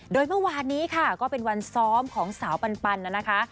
โดยเมื่อวานนี้ค่ะก็เป็นวันซ้อมของสาวปันนะคะ